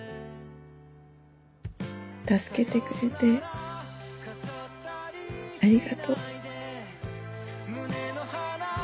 助けてくれてありがとう。